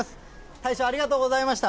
大将、ありがとうございました。